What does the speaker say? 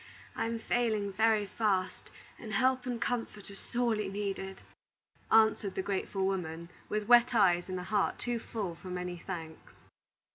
I am failing very fast, and help and comfort are sorely needed," answered the grateful woman, with wet eyes and a heart too full for many thanks.